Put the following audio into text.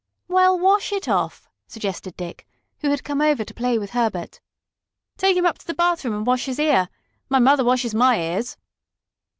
"Well, wash it off," suggested Dick, who had come over to play with Herbert. "Take him up to the bathroom and wash his ear. My mother washes my ears."